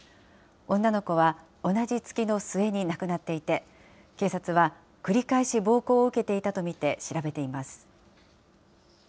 女の子は同じ月の末に亡くなっていて、警察は繰り返し暴行を受けていたと見て、調べています。